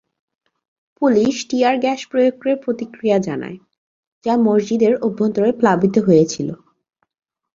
Police tear gas প্রয়োগ করে প্রতিক্রিয়া জানায়, যা মসজিদের অভ্যন্তরে প্লাবিত হয়েছিল।